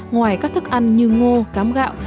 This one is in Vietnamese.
ngoài các thức ăn như ngô cám gạo